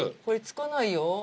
これつかないよ。